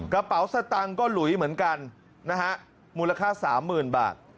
กระเป๋าสตังค์ก็หลุยเหมือนกันนะฮะมูลค่า๓๐๐๐บาท